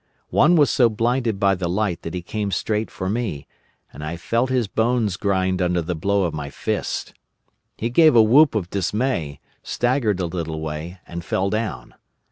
One was so blinded by the light that he came straight for me, and I felt his bones grind under the blow of my fist. He gave a whoop of dismay, staggered a little way, and fell down.